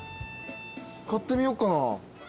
買ってみようかな。